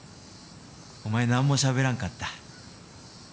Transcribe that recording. お前何もしゃべらんかった。